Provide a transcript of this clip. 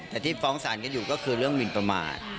แต่ที่ฟ้องสารกันอยู่ก็คือเรื่องหมินประมาท